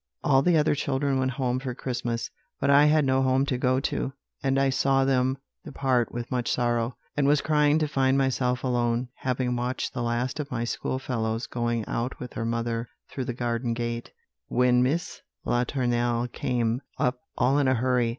"All the other children went home for Christmas, but I had no home to go to; and I saw them depart with much sorrow, and was crying to find myself alone, having watched the last of my school fellows going out with her mother through the garden gate, when Miss Latournelle came up all in a hurry.